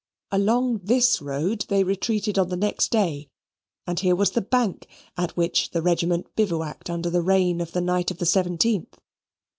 Along this road they retreated on the next day, and here was the bank at which the regiment bivouacked under the rain of the night of the seventeenth.